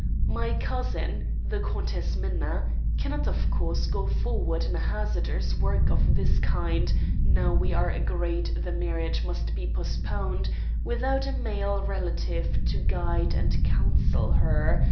My cousin, the Countess Minna, cannot, of course, go forward in a hazardous work of this kind, now we are agreed the marriage must be postponed, without a male relative to guide and counsel her.